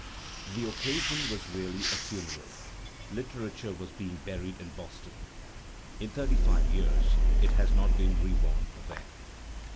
The occasion was really a funeral. Literature was being y^ buried in Boston. In thirty five years it has not been : reborn there.